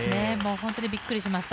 本当にびっくりしました。